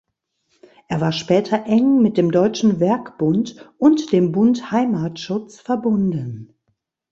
Er war später eng mit dem Deutschen Werkbund und dem Bund Heimatschutz verbunden.